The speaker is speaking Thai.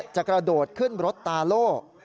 กระโดดขึ้นรถตาโล่